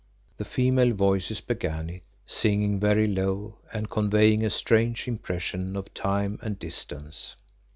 The female voices began it, singing very low, and conveying a strange impression of time and distance.